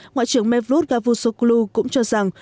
ngoại trưởng mevlut gavusoglu cũng cho rằng